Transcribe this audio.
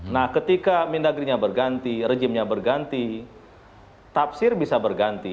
nah ketika mendagrinya berganti rejimnya berganti tafsir bisa berganti